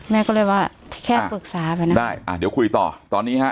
แม่ก็เลยว่าแค่ปรึกษาแบบนั้นได้อ่าเดี๋ยวคุยต่อตอนนี้ฮะ